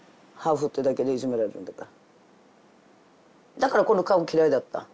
だからこの顔も嫌いだった。